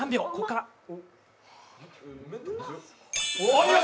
お見事！